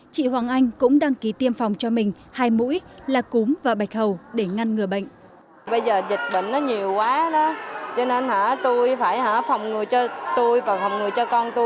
chị hoàng anh cũng đăng ký tiêm phòng cho mình hai mũi là cúm và bạch hầu để ngăn ngừa bệnh